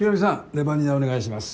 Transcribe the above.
レバニラお願いします。